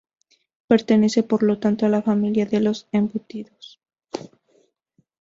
Pertenece por lo tanto a la familia de los embutidos.